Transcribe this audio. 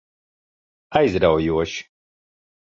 Aizraujoši.